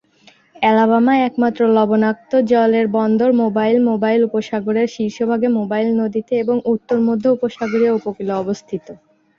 Alabama একমাত্র লবণাক্ত জলের বন্দর, মোবাইল মোবাইল উপসাগরের শীর্ষভাগে মোবাইল নদীতে এবং উত্তর-মধ্য উপসাগরীয় উপকূলে অবস্থিত।